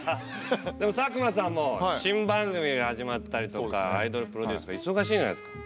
でも佐久間さんも新番組が始まったりとかアイドルプロデュースとか忙しいんじゃないですか？